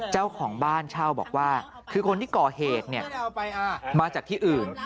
เจ้าของบ้านเช่าบอกว่าคือคนที่ก่อเหตุมาจากที่อื่น